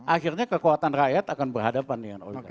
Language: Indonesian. akhirnya kekuatan rakyat akan berhadapan dengan oligarki